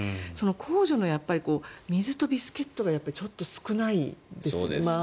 公助の水とビスケットがちょっと少ないですよね。